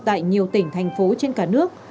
tại nhiều tỉnh thành phố trên cả nước